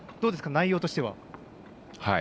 内容としては。